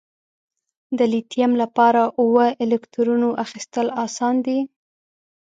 د لیتیم لپاره اووه الکترونو اخیستل آسان دي؟